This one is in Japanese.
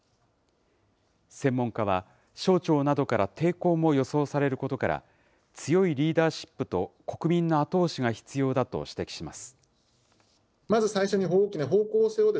専門家は、省庁などから抵抗も予想されることから、強いリーダーシップと国民の後押しが必要だと指摘します。